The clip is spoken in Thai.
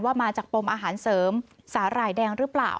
มาจากปมอาหารเสริมสาหร่ายแดงหรือเปล่า